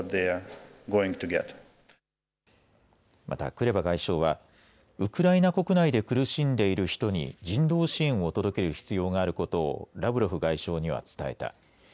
またクレバ外相はウクライナ国内で苦しんでいる人に人道支援を届ける必要があることをラブロフ外相には伝えた。